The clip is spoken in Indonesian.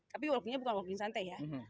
tapi walking nya bukan walking santai ya